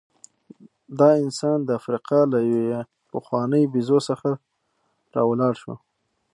دا انسان د افریقا له یوې پخوانۍ بیزو څخه راولاړ شو.